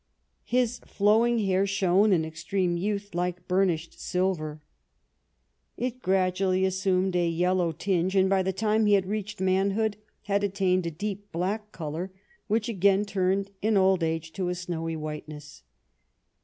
His flowing hair shone in extreme youth like burnished silver. It gradually assumed a yellow tinge, and by the time he had reached manhood had attained a deep black colour, which again tixrned in old age to a snowy whiteness.